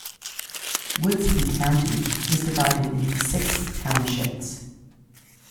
Woodson County is divided into six townships.